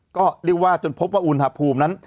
ก็เรียกว่าจนพบว่าอุณหภูมินั้น